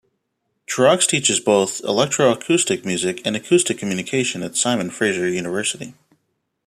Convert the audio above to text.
Truax teaches both electroacoustic music and acoustic communication at Simon Fraser University.